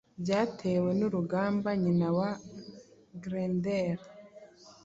Byatewe nurugamba nyina wa Grendel